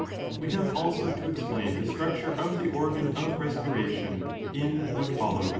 We have also to explain the structure of the organ of respiration in what followa' 1 Vid.